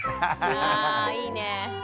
あいいね。